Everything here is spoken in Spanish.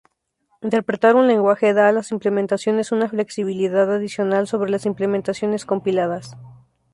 Interpretar un lenguaje da a las implementaciones una flexibilidad adicional sobre las implementaciones compiladas.